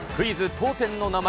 当店の名前！